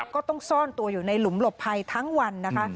ก็ต้องซ่อนตัวอยู่ในหลุมหลบภัยทั้งวันนะคะ